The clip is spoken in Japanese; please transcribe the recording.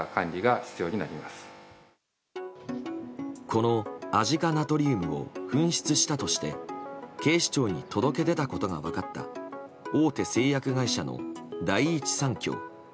このアジ化ナトリウムを紛失したとして警視庁に届け出たことが分かった大手製薬会社の第一三共。